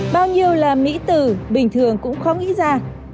bao nhiêu là mỹ tử bình thường cũng khó nghĩ ra